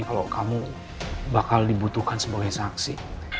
kalau kamu bakal dibutuhkan sebagai saksi